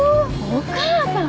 お母さん！